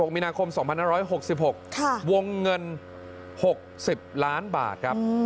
มีนาคม๒๕๖๖วงเงิน๖๐ล้านบาทครับ